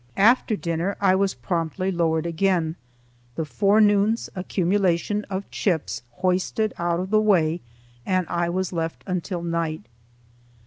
After dinner I was promptly lowered again, the forenoon's accumulation of chips hoisted out of the way, and I was left until night.